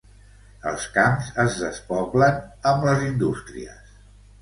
Els camps es despoblen amb les indústries.